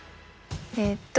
えっと